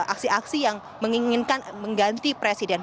aksi aksi yang menginginkan mengganti presiden